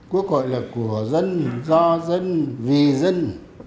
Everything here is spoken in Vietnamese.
quốc hội là của dân do dân vì dân